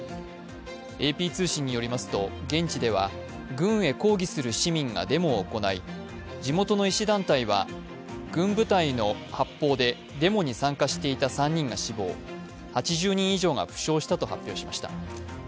ＡＰ通信によりますと現地では軍へ抗議する市民がデモを行い地元の医師団体は軍部隊の発砲でデモに参加していた３人が死亡、８０人以上が負傷したと発表しました。